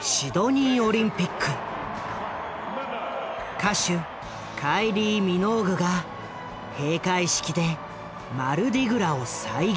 歌手のカイリー・ミノーグが閉会式でマルディグラを再現。